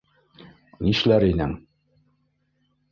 - Нишләр инең?